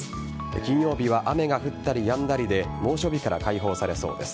金曜日は雨が降ったりやんだりで猛暑日から解放されそうです。